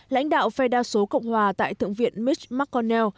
lãnh đạo phe đa số cộng hòa tại thượng viện mis mcconnell